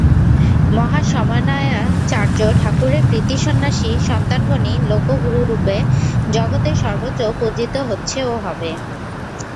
মহাসমন্বয়াচার্য ঠাকুরের কৃতী সন্ন্যাসী সন্তানগণই লোকগুরুরূপে জগতের সর্বত্র পূজিত হচ্ছে ও হবে।